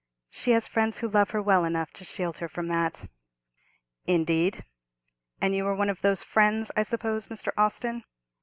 "She has friends who love her well enough to shield her from that." "Indeed; and you are one of those friends, I suppose, Mr. Austin?"